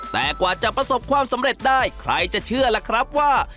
แต่กว่าจะประสบความสำเร็จได้ใครจะเชื่อล่ะครับว่า